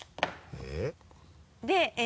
えっ！